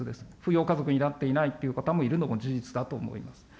扶養家族になっていないという方もいるのも事実だと思います。